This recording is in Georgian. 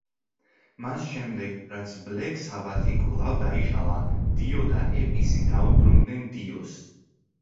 მას შემდეგ, რაც ბლექ საბათი კვლავ დაიშალა, დიო და ეპისი დაუბრუნდნენ დიოს.